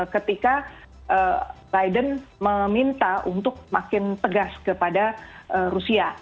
ketika biden meminta untuk makin tegas kepada rusia